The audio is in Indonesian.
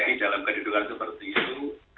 jadi dalam kedudukan seperti itu